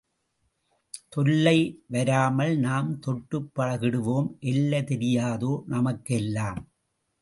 தொல்லை வராமல் நாம் தொட்டுப் பழகிடுவோம், எல்லை தெரியாதோ நமக்கெல்லாம்?